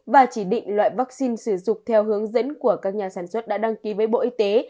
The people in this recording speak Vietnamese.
và chỉ định loại vaccine sử dụng theo hướng dẫn của các nhà sản xuất đã đăng ký với bộ y tế